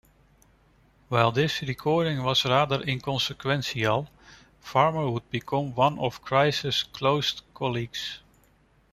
While this recording was rather inconsequential, Farmer would become one of Gryce's closest colleagues.